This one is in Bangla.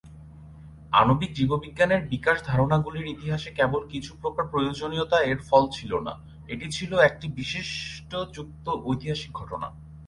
আণবিক জীববিজ্ঞানের বিকাশ ধারণাগুলির ইতিহাসে কেবল কিছু প্রকারের "প্রয়োজনীয়তা" এর ফল ছিল না, এটি ছিল একটি বৈশিষ্ট্যযুক্ত ঐতিহাসিক ঘটনা।